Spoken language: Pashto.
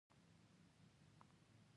آیا د خواف هرات ریل پټلۍ جوړه نه شوه؟